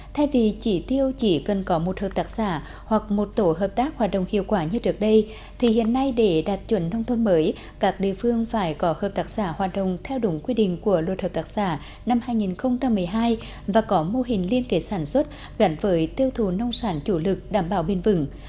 thay vì chỉ tiêu chỉ cần có một hợp tác xã hoặc một tổ hợp tác hoạt động hiệu quả như trước đây thì hiện nay để đạt chuẩn nông thôn mới các địa phương phải có hợp tác xã hoạt động theo đúng quy định của luật hợp tác xã năm hai nghìn một mươi hai và có mô hình liên kết sản xuất gắn với tiêu thụ nông sản chủ lực đảm bảo bền vững